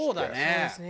そうですね。